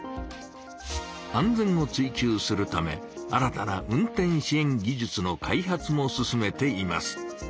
安全を追求するため新たな運転支援技術の開発も進めています。